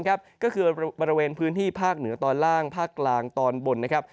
ก็คือบริเวณพื้นที่ภาคเหนือตอนล่างภาคกลางตอนบนนะครับ